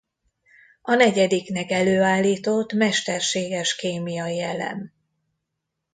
A negyediknek előállított mesterséges kémiai elem.